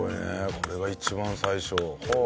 これが一番最初。